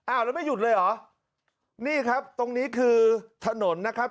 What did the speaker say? แล้วไม่หยุดเลยเหรอนี่ครับตรงนี้คือถนนนะครับ